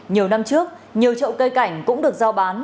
nhiều năm trước nhiều trậu cây cảnh cũng được giao bán